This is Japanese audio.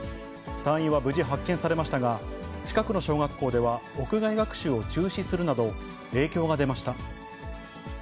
隊員は無事発見されましたが、近くの小学校では屋外学習を中止するなど、影響が出ました。